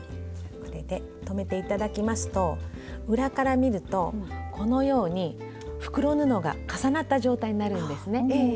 これで留めて頂きますと裏から見るとこのように袋布が重なった状態になるんですね。